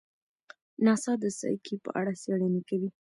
ناسا د سایکي په اړه څېړنې کوي.